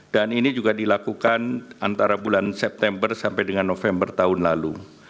dan ini juga dilakukan antara bulan september sampai dengan november tahun lalu